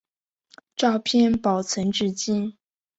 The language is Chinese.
照片保存至今。